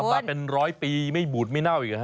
ทำมาเป็นร้อยปีไม่บูดไม่เน่าอีกหรอฮะ